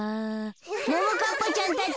ももかっぱちゃんたち。